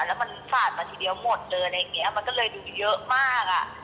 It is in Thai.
แล้วมันสาดมาทีเดียวหมดเลยอะไรอย่างนี้มันก็เลยดูเยอะมากอ่ะ